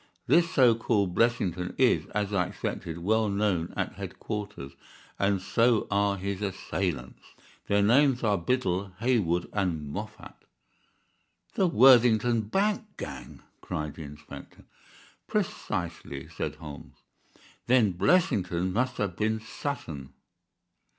This so called Blessington is, as I expected, well known at headquarters, and so are his assailants. Their names are Biddle, Hayward, and Moffat." "The Worthingdon bank gang," cried the inspector. "Precisely," said Holmes. "Then Blessington must have been Sutton."